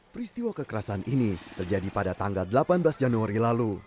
peristiwa kekerasan ini terjadi pada tanggal delapan belas januari lalu